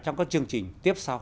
trong các chương trình tiếp sau